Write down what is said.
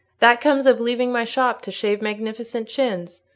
That comes of leaving my shop to shave magnificent chins.